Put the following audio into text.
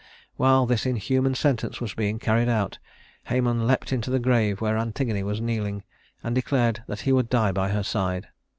While this inhuman sentence was being carried out, Hæmon leaped into the grave where Antigone was kneeling, and declared that he would die by her side.